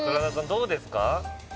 どうですか？